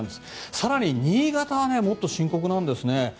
更に新潟はもっと深刻なんです。